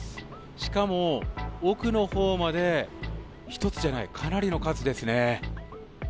しかも、奥のほうまで、１つじゃない、かなりの数ですね。